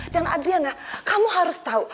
dan adriana kamu harus tahu